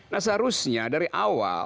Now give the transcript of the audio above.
nah seharusnya dari awal